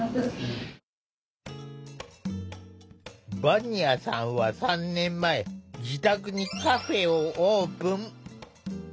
ヴァニアさんは３年前自宅にカフェをオープン。